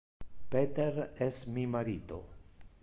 Peter es mi marito.